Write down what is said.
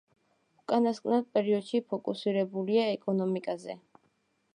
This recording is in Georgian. უკანასკნელ პერიოდში ფოკუსირებულია ეკონომიკაზე.